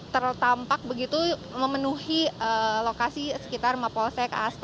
tertampak begitu memenuhi lokasi sekitar mapolsek asta